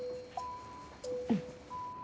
うん。